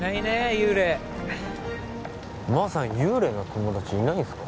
幽霊マーさん幽霊の友達いないんですか？